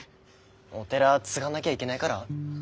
お寺継がなぎゃいけないから？